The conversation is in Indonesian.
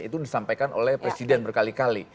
itu disampaikan oleh presiden berkali kali